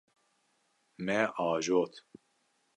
Me ajot.